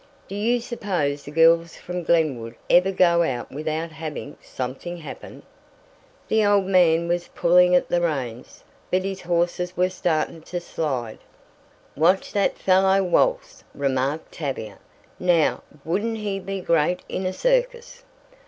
"Do you suppose the girls from Glenwood ever go out without having 'something happen'?" The old man was pulling at the reins, but his horses were starting to slide. "Watch that fellow waltz," remarked Tavia. "Now, wouldn't he be great in a circus?"